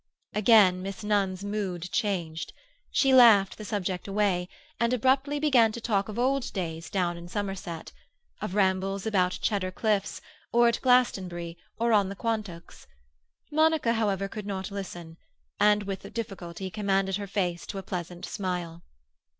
Again Miss Nunn's mood changed. She laughed the subject away, and abruptly began to talk of old days down in Somerset, of rambles about Cheddar Cliffs, or at Glastonbury, or on the Quantocks. Monica, however, could not listen, and with difficulty commanded her face to a pleasant smile.